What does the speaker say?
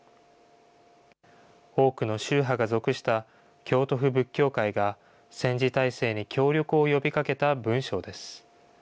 多くの宗派が属した京都府仏教会が戦時体制に協力を呼びかけた文書です。